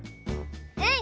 うん！